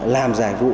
làm giải vụ